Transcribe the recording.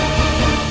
masih ada yang nunggu